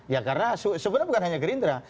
ya karena sebenarnya bukan hanya gerindra